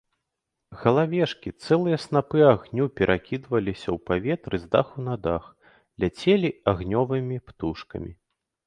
Галавешкі, цэлыя снапы агню перакідваліся ў паветры з даху на дах, ляцелі агнёвымі птушкамі.